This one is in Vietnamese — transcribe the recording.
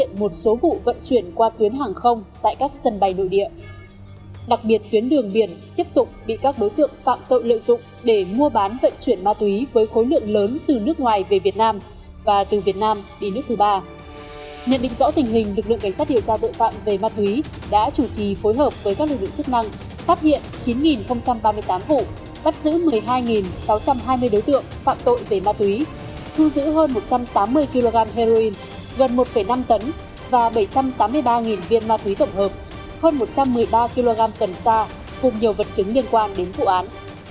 thu giữ hơn một trăm tám mươi kg heroin gần một năm tấn và bảy trăm tám mươi ba viên ma túy tổng hợp hơn một trăm một mươi ba kg cần sa cùng nhiều vật chứng liên quan đến vụ án